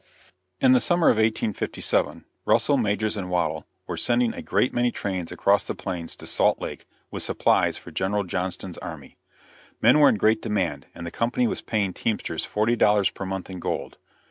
In the summer of 1857, Russell, Majors & Waddell were sending a great many trains across the plains to Salt Lake with supplies for General Johnston's army. Men were in great demand, and the company was paying teamsters forty dollars per month in gold.